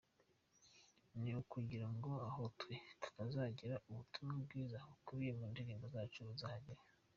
Ni ukugira ngo aho twe tutazagera ubutumwa bwiza bukubiye mu ndirimbo zacu buzahagere.